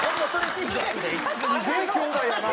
すげえ兄弟やな！